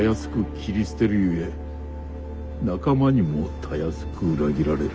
斬り捨てるゆえ仲間にもたやすく裏切られる。